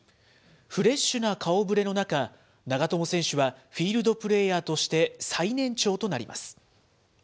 フレッシュな顔ぶれの中、長友選手はフィールドプレーヤーとして最年長となります。